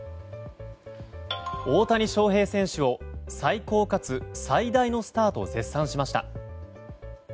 大谷翔平選手を最高かつ最大のスターと絶賛しました。